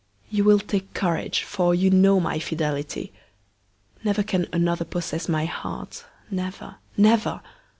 You will take courage, for you know my fidelity. Never can another possess my heart never, never!